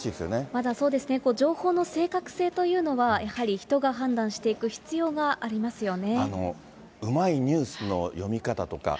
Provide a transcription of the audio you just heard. まだそうですね、情報の正確性というのは、やはり人が判断していく必要がありますよね。